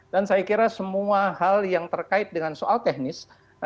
dan saya kira semua hal yang terkait dengan soal teknis